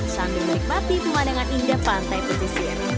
sambil menikmati pemandangan indah pantai pesisir